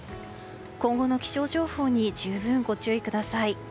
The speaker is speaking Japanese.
今後の気象情報に十分ご注意ください。